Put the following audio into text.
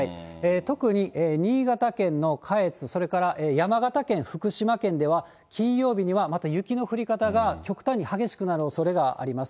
特に新潟県の下越、それから山形県、福島県では、金曜日にはまた雪の降り方が極端に激しくなるおそれがあります。